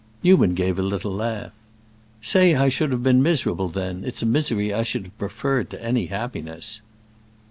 Newman gave a little laugh. "Say I should have been miserable, then; it's a misery I should have preferred to any happiness."